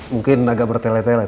mungkin agak bertele tele